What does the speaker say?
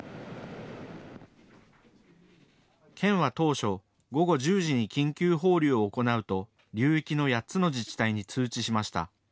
県は当初、午後１０時に緊急放流を行うと流域の８つの自治体に通知しました。